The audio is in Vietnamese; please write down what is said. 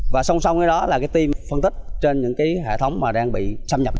và song song với đó là cái team phân tích trên những cái hệ thống mà đang bị xâm nhập